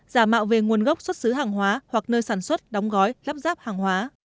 giả mạo về nguồn gốc xuất xứ hàng hóa hoặc nơi sản xuất đóng gói lắp ráp hàng hóa